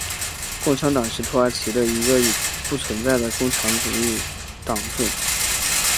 共产党是土耳其的一个已不存在的共产主义政党。